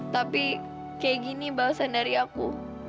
tapi kayak gini bahasan dari aku